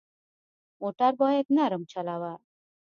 موټر باید نرم چلوه.